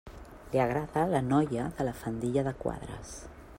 Li agrada la noia de la faldilla de quadres.